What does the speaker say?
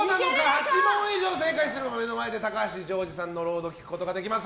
８問以上正解すれば目の前で高橋ジョージさんの「ロード」聴くことができます。